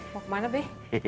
mau kemana be